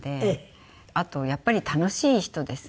あとやっぱり楽しい人ですね。